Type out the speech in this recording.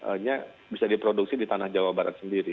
supply nya bisa diproduksi di tanah jawa barat sendiri